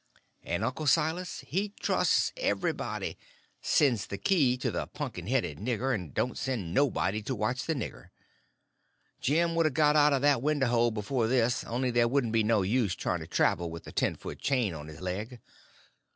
And Uncle Silas he trusts everybody; sends the key to the punkin headed nigger, and don't send nobody to watch the nigger. Jim could a got out of that window hole before this, only there wouldn't be no use trying to travel with a ten foot chain on his leg.